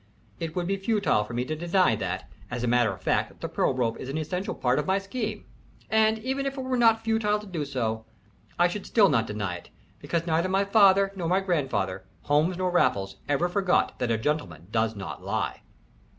It would be futile for me to deny that, as a matter of fact, the pearl rope is an essential part of my scheme, and, even if it were not futile to do so, I should still not deny it, because neither my father nor my grandfather, Holmes nor Raffles, ever forgot that a gentleman does not lie."